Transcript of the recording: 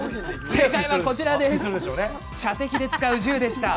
正解は、射的で使う銃です。